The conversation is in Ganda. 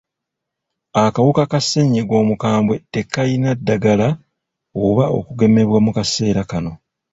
Akawuka ka sennyiga omukambwe tekayina ddagala oba okugemebwa mu kaseera kano.